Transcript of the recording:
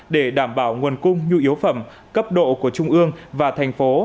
để đảm bảo nguồn cung nhu yếu phẩm cấp độ của trung ương và thành phố